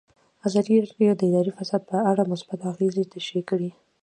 ازادي راډیو د اداري فساد په اړه مثبت اغېزې تشریح کړي.